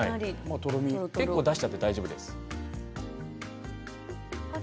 結構、出しちゃって大丈夫です。